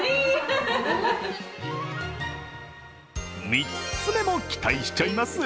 ３つ目も期待しちゃいます。